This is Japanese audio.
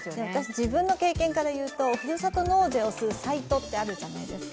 自分の経験からいうとふるさと納税をするサイトあるじゃないですか。